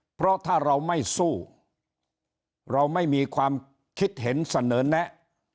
เพราะถ้าเราไม่สู้เราไม่มีความคิดเห็นเสนอแนะ